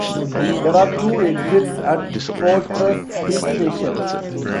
There are two exits at Fortress Hill station.